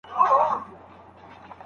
سفیران کله د سوله ییز لاریون اجازه ورکوي؟